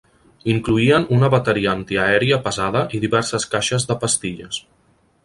Incloïen una bateria antiaèria pesada i diverses caixes de pastilles.